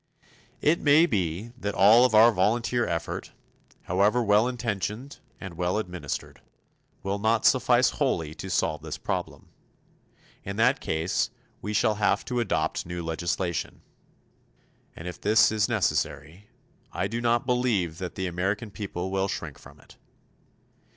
It may be that all of our volunteer effort however well intentioned and well administered will not suffice wholly to solve this problem. In that case, we shall have to adopt new legislation. And if this is necessary, I do not believe that the American people will shrink from it.